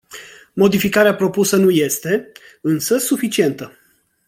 Modificarea propusă nu este, însă, suficientă.